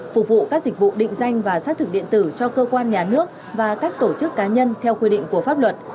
phục vụ các dịch vụ định danh và xác thực điện tử cho cơ quan nhà nước và các tổ chức cá nhân theo quy định của pháp luật